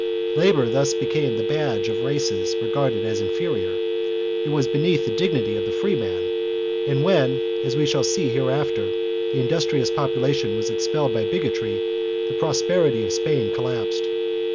Labor thus became the badge of races regarded as inferior ; it was beneath the dignity of the freeman, and when, as we shall see hereafter, the industrious population was expelled by bigotry, the prosperity of / Spain collapsed.